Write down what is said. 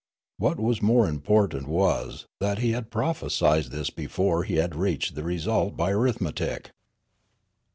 What was more important was that he had prophesied this before he had reached the result by arithmetic.